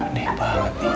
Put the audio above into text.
aneh banget nih